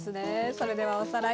それではおさらい。